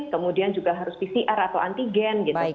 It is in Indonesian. kemudian juga harus pcr atau antigen gitu